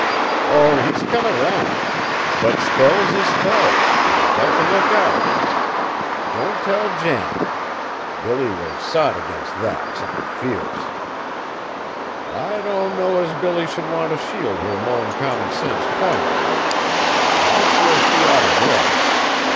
"Oh! he's come round. But spells is spells an' yer got t' look out. Don't tell Janet; Billy was sot agin that, somethin' fierce." "I don't know as Billy should want t' shield her more'n common sense p'ints. I feel she ought t' know.